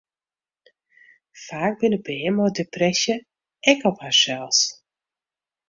Faak binne bern mei depresje ek op harsels.